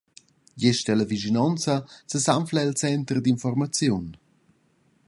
Gest ella vischinonza sesanfla era il center d’informaziun.